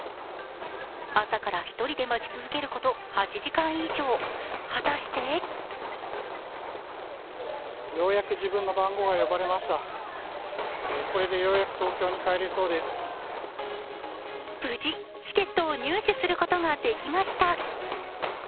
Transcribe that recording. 朝から１人で待ち続けること８時間以上、果たして無事チケットを入手することができました。